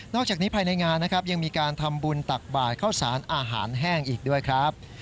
อกจากนี้ภายในงานนะครับยังมีการทำบุญตักบาทเข้าสารอาหารแห้งอีกด้วยครับ